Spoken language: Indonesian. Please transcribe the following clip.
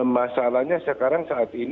masalahnya sekarang sangat bergantung